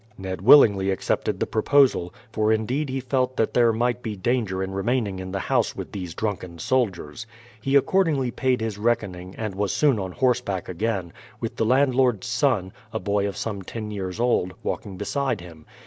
Ned willingly accepted the proposal, for indeed he felt that there might be danger in remaining in the house with these drunken soldiers. He accordingly paid his reckoning, and was soon on horseback again, with the landlord's son, a boy of some ten years old, walking beside him.